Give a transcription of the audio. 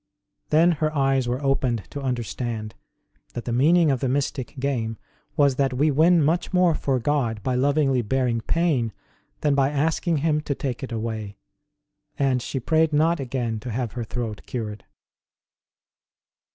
Then her eyes were opened to understand that the meaning of the mystic game was that we win much more for God by lovingly bearing pain than by asking Him to take it away, and she prayed not again to have her throat cured.